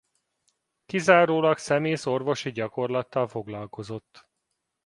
Kizárólag szemész orvosi gyakorlattal foglalkozott.